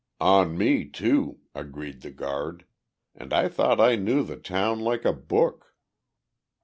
"On me, too," agreed the guard, "and I thought I knew the town like a book."